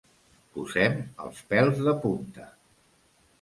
Posem els pèls de punta.